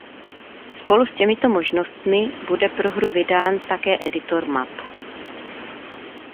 Spolu s těmito možnostmi bude pro hru vydán také editor map.